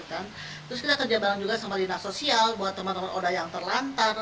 terus kita kerja bareng juga sama dinas sosial buat teman teman oda yang terlantar